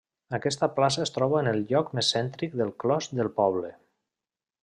Aquesta plaça es troba en el lloc més cèntric del clos del poble.